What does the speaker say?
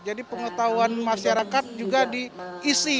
jadi pengetahuan masyarakat juga diisi